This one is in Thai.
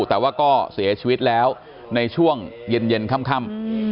แต่ว่าก็เสียชีวิตแล้วในช่วงเย็นค่ำ